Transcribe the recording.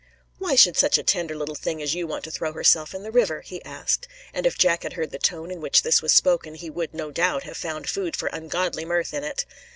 "Why should such a tender little thing as you want to throw herself in the river?" he asked; and if Jack had heard the tone in which this was spoken, he would, no doubt, have found food for ungodly mirth in it.